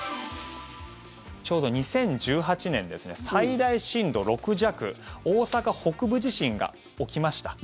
ちょうど２０１８年ですね最大震度６弱大阪北部地震が起きました。